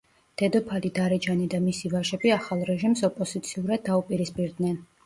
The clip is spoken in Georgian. დედოფალი დარეჯანი და მისი ვაჟები ახალ რეჟიმს ოპოზიციურად დაუპირისპირდნენ.